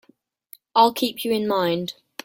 I'll keep you in mind.